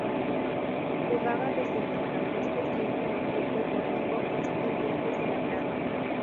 Jugaba de centrocampista y su último club deportivo fue Estudiantes de la Plata.